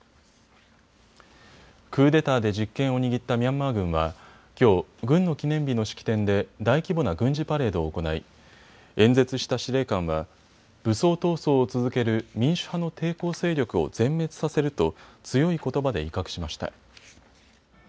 クーデターで実権を握ったミャンマー軍はきょう、軍の記念日の式典で大規模な軍事パレードを行い、演説した司令官は武装闘争を続ける民主派の抵抗勢力を全滅させると強いことばで威嚇しました。